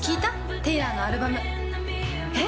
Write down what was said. テイラーのアルバム。え？